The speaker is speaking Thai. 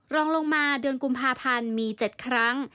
รองลงมาเดือนกุมภาพันธ์มี๗ครั้ง